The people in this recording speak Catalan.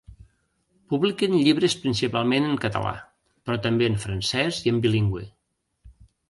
Publiquen llibres principalment en català, però també en francès i en bilingüe.